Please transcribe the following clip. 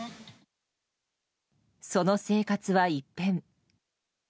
その生活は一変。